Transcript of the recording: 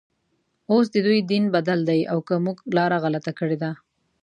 اوس ددوی دین بدل دی او که موږ لاره غلطه کړې ده.